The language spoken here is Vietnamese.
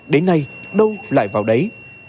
đến nay đâu lại vào đấy